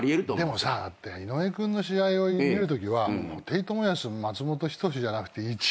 でも井上君の試合を見るときは布袋寅泰松本人志じゃなくていち。